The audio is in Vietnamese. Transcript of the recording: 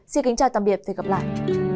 xin kính chào tạm biệt và hẹn gặp lại